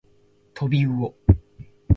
とびうお